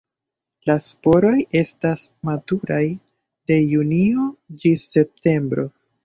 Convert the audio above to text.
La sporoj estas maturaj de junio ĝis septembro.